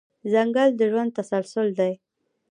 ځنګل د ژوند تسلسل دی.